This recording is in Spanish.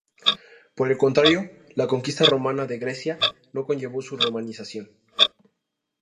Por el contrario, la conquista romana de Grecia no conllevó su romanización.